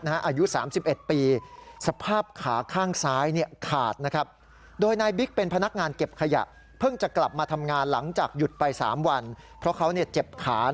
หยุดไป๓วันเพราะเขาเจ็บขานะครับ